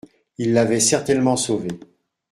Il l'avait certainement sauvé.